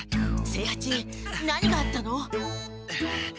清八何があったの？